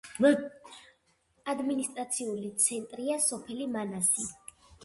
ადმინისტრაციული ცენტრია სოფელი მანასი.